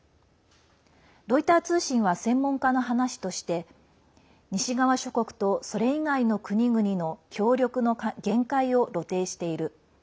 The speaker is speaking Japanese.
ロイター通信は専門家の話として西側諸国と、それ以外の国々の協力の限界を露呈している。